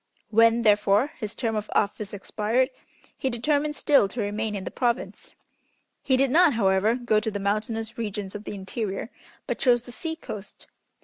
When, therefore, his term of office expired, he determined still to remain in the province. He did not, however, go to the mountainous regions of the interior, but chose the sea coast.